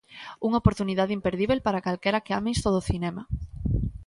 Unha oportunidade imperdíbel para calquera que ame isto do cinema...